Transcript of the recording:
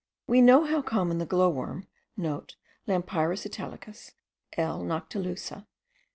We know how common the glow worm* (* Lampyris italica, L. noctiluca.)